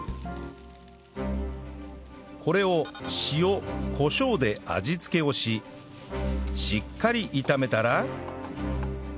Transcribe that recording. これを塩コショウで味付けをししっかり炒めたら